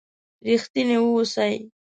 رښتيني و اوسئ!